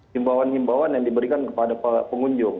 himbauan himbauan yang diberikan kepada para pengunjung